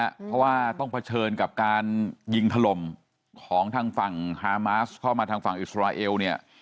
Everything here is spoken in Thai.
เพราะว่าต้องเผชิญกับการยิงถล่มของทางฝั่งฮามาสเข้ามาทางฝั่งอิสราเอลเนี่ย